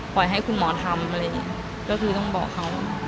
ปล่อยให้คุณหมอทำก็คือต้องบอกเขา